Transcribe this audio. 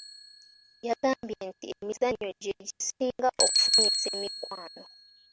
Yagambye nti emizannyo gye gisinga okufunyisa emikwano.